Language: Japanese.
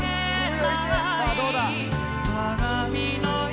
さあどうだ？